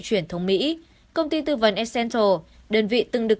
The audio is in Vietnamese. chuyển thống mỹ công ty tư vấn accenture đơn vị từng được